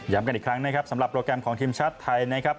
กันอีกครั้งนะครับสำหรับโปรแกรมของทีมชาติไทยนะครับ